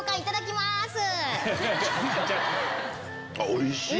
おいしい！